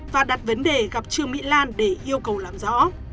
và đặt vấn đề gặp trương mỹ lan để yêu cầu làm rõ